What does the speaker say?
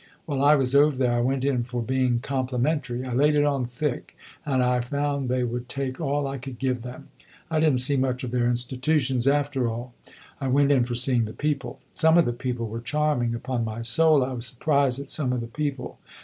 While I was over there I went in for being complimentary. I laid it on thick, and I found they would take all I could give them. I did n't see much of their institutions, after all; I went in for seeing the people. Some of the people were charming upon my soul, I was surprised at some of the people.